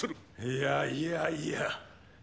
いやいやいや